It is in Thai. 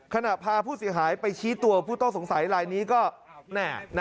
พาผู้เสียหายไปชี้ตัวผู้ต้องสงสัยลายนี้ก็แน่